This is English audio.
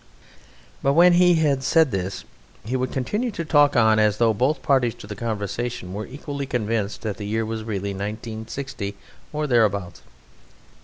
But when he had said this he would continue to talk on as though both parties to the conversation were equally convinced that the year was really 1960 or thereabouts.